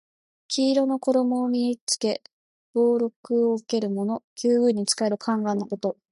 黄色の衣を身に着け俸禄を受けるもの。宮中に仕える宦官のこと。